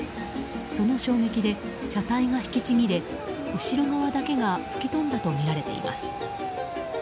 その衝撃で車体が引きちぎれ後ろ側だけが吹き飛んだとみられています。